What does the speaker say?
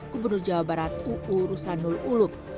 gubernur jawa barat uu rusanul ulub